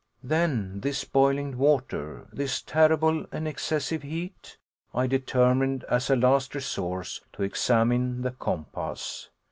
Then this boiling water, this terrible and excessive heat? I determined as a last resource to examine the compass.